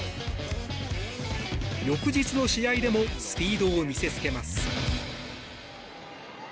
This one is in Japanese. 翌日の試合でもスピードを見せつけます。